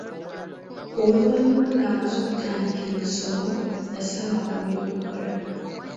Oluvannyuma nga mmaze okutandika emisomo, yasaba akomye okukola.